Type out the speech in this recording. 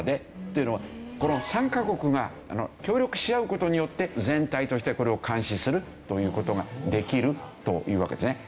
というのはこの３カ国が協力し合う事によって全体としてこれを監視するという事ができるというわけですね。